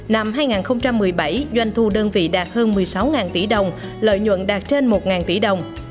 năm hai nghìn một mươi bảy doanh thu đơn vị đạt hơn một mươi sáu tỷ đồng lợi nhuận đạt trên một tỷ đồng